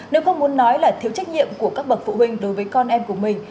nếu không muốn nói là thiếu trách nhiệm của các bậc phụ huynh đối với con em của mình